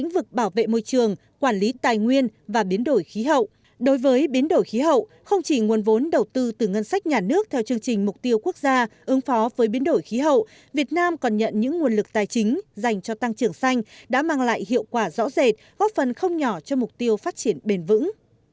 với nguồn vốn đầu tư từ ngân sách nhà nước theo chương trình mục tiêu quốc gia ứng phó với biến đổi khí hậu việt nam còn nhận những nguồn lực tài chính dành cho tăng trưởng xanh đã mang lại hiệu quả rõ rệt góp phần không nhỏ cho mục tiêu phát triển bền vững